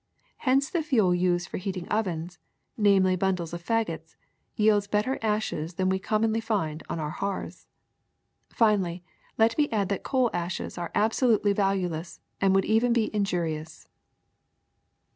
Hence the fuel used for heating ovens, namely bundles of fagots, yields bet ter ashes than we commonly find on our hearths. Finally let me add that coal ashes are absolutely valueless and would even be injurious."